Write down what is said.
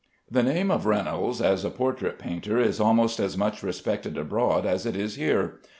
The name of Reynolds as a portrait painter is almost as much respected abroad as it is here.